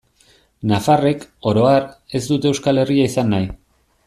Nafarrek, oro har, ez dute Euskal Herria izan nahi.